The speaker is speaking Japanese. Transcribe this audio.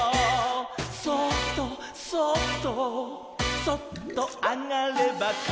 「そっとそっとそっとあがればからだの」